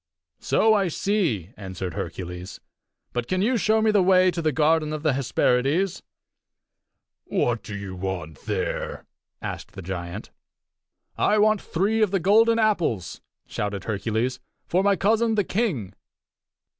"So I see," answered Hercules. "But can you show me the way to the garden of the Hesperides?" "What do you want there?" asked the giant. "I want three of the golden apples," shouted Hercules, "for my cousin, the king."